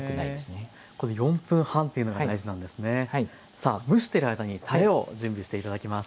さあ蒸している間にたれを準備していただきます。